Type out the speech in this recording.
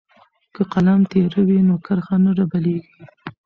که قلم تیره وي نو کرښه نه ډبلیږي.